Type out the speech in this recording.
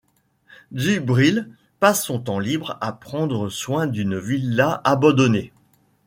Djibril passe son temps libre à prendre soin d’une villa abandonnée.